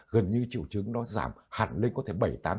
gần như triệu chứng nó giảm hẳn lên có thể bảy tám chín mươi